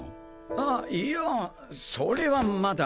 あいやそれはまだ。